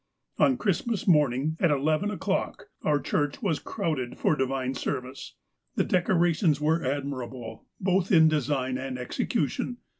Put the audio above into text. "On Christmas morning, at ii o'clock, our church was crowded for divine service. The decorations were admirable, both in design and execution.